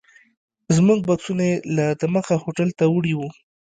زموږ بکسونه یې لا دمخه هوټل ته وړي وو.